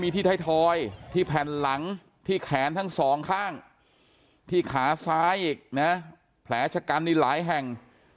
ที่ไทยทอยที่แผ่นหลังที่แขนทั้งสองข้างที่ขาซ้ายอีกนะแผลชะกันนี่หลายแห่ง